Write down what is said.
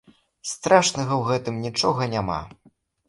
Страшнага ў гэтым нічога няма.